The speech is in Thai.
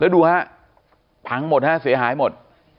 ดูฮะพังหมดฮะเสียหายหมด